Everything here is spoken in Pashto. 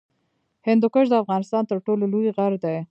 هندوکش د افغانستان تر ټولو لوی غر دی